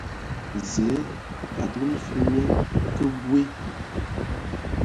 Zǝǝ a dugan fǝg nye kǝ bwe.